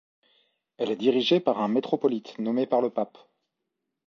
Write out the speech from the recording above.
Elle est dirigée par un métropolite, nommé par le pape.